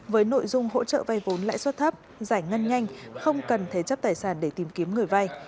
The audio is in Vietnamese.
với nội dung hỗ trợ vay vốn lãi suất thấp giải ngân nhanh không cần thế chấp tài sản để tìm kiếm người vay